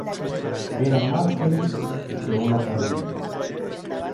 Era más feliz que una perdiz